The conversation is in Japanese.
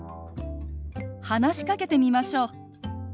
話しかけてみましょう。